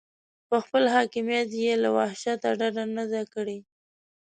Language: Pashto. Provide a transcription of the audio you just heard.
په خپل حاکمیت کې یې له وحشته ډډه نه ده کړې.